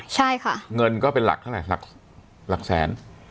ใช่ค่ะเงินก็เป็นหลักสัน